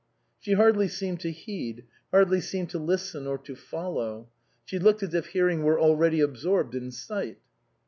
She hardly seemed to heed, hardly seemed to listen or to follow. She looked as if hearing were already absorbed in sight.